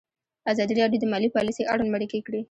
ازادي راډیو د مالي پالیسي اړوند مرکې کړي.